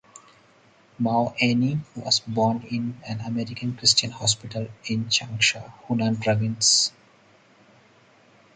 Mao Anying was born in an American Christian hospital in Changsha, Hunan Province.